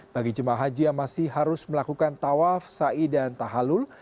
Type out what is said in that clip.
bagi jemaah haji yang masih harus melakukan tawaf ⁇ ai dan tahalul